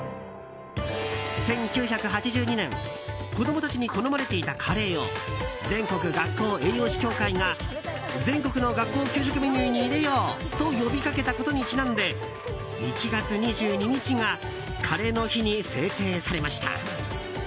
１９８２年子供たちに好まれていたカレーを全国学校栄養士協会が全国の学校給食メニューに入れようと呼びかけたことにちなんで１月２２日がカレーの日に制定されました。